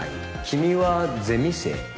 君はゼミ生？